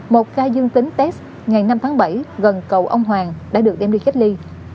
một khai dương tính test ngày năm tháng bảy gần cầu ông hoàng đã được đem đi khách ly